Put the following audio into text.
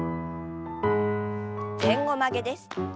前後曲げです。